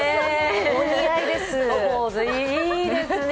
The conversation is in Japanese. お似合いです。